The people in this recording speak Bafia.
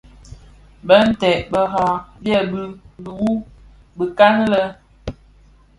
Binted bira byèbi mbi wu bëkan lè.